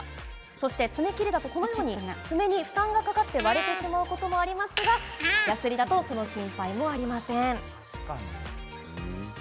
しかも、爪切りだとこのように爪に負担がかかって割れてしまうこともありますがやすりだとその心配もありません。